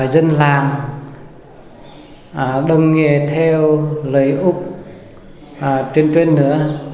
dân làm đồng nghề theo lời úc truyền truyền nữa